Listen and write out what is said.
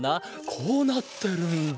こうなってるんだ。